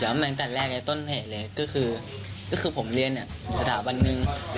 ตั้งแต่แรกในต้นเหตุเลยก็คือผมเรียนสถาบันหนึ่ง